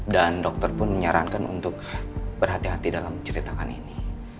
dan dokter pun menyarankan untuk berhati hati dalam menceritakan ini